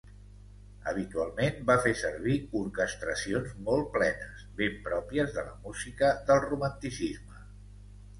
Habitualment va fer servir orquestracions molt plenes, ben pròpies de la música del Romanticisme.